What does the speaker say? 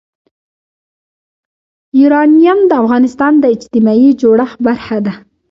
یورانیم د افغانستان د اجتماعي جوړښت برخه ده.